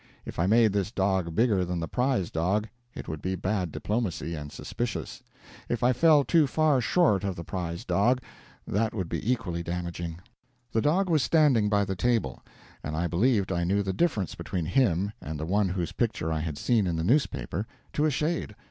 If I made this dog bigger than the prize dog, it would be bad diplomacy, and suspicious; if I fell too far short of the prizedog, that would be equally damaging. The dog was standing by the table, and I believed I knew the difference between him and the one whose picture I had seen in the newspaper to a shade.